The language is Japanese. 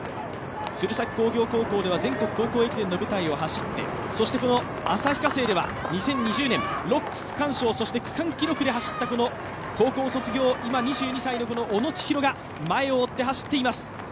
鶴崎高校では全国高校駅伝の舞台を走って、この旭化成では２０２０年６区区間賞、区間記録で走った高校卒業、今２２歳の小野知大が前を追って走っています。